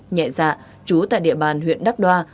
nhẹ dạ trú tại địa bàn huyện đắc đoa